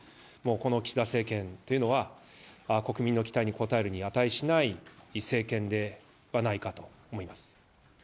この岸田政権っていうのは、国民の期待に応えるに値しない政権ではないかと思います。